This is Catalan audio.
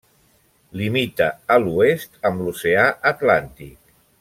Limita a l'oest amb l'oceà Atlàntic.